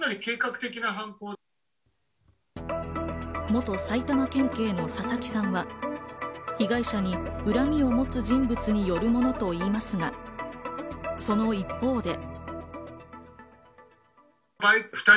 元埼玉県警の佐々木さんは、被害者に恨みを持つ人物による者と言いますが、その一方で。